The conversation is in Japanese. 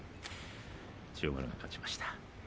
千代丸が勝ちました。